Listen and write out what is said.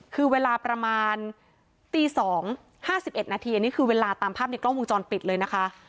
คือเวลาประมาณตี๒๕๑นาทีอันนี้คือเวลาตามภาพในกล้องวงจรปิดเลยนะคะ